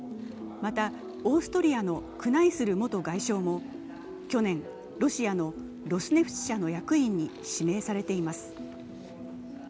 また、オーストリアのクナイスル元外相も去年、ロシアのロスネフチ社の役員に指名されています。